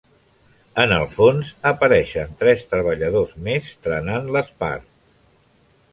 En el fons apareixen tres treballadors més trenant l'espart.